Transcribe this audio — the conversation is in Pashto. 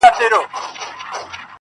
پر جبين باندې لښکري پيدا کيږي~